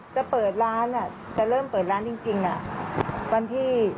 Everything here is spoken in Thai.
คือจะเริ่มเปิดร้านจริงวันที่๑เมษา